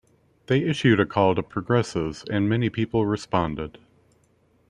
They issued a call to progressives, and many people responded.